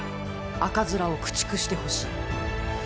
赤面を駆逐してほしい！